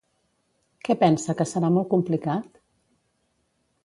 Què pensa que serà molt complicat?